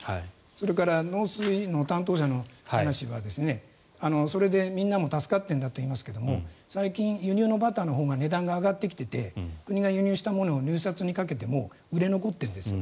それから、農水の担当者の話はそれでみんなも助かってるんだって言いますけど最近、輸入のバターのほうが値段が上がってきていて国が輸入したものを入札にかけても売れ残っているんですよ。